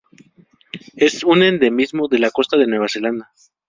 Es un endemismo de la costa de Nueva Zelanda.